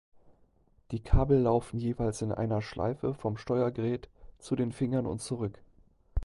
Die Kabel laufen jeweils in einer Schleife vom Steuergerät zu den Fingern und zurück.